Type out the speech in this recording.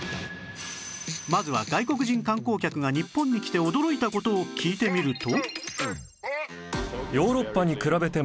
まずは外国人観光客が日本に来て驚いた事を聞いてみると